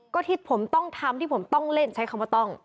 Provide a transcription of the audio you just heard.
ก็ที่ผมต้องทำที่ผมต้องเล่นใช้คำว่าต้อง